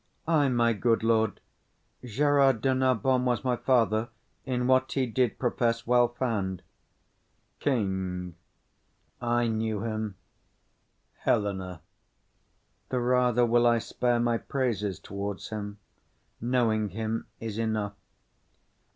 Ay, my good lord. Gerard de Narbon was my father, In what he did profess, well found. KING. I knew him. HELENA. The rather will I spare my praises towards him. Knowing him is enough.